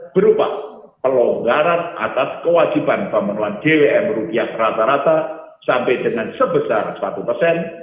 berupa pelonggaran atas kewajiban pemenuhan dwm rupiah rata rata sampai dengan sebesar satu persen